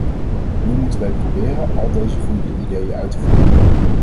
Nu moeten wij proberen al deze goede ideeën uit te voeren.